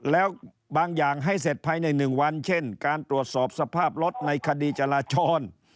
แล้วบางอย่างให้เสร็จภายใน๑วันเช่นการตรวจสอบสภาพรถในคดีจราจร